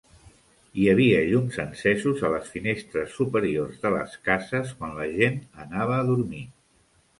Hi havia llums encesos a les finestres superiors de les cases quan la gent anava a dormir.